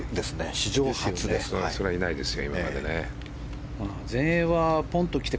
史上初ですよ。